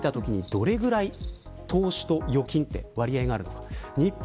世界を見たときに、どれぐらい投資と預金って割合があるのか。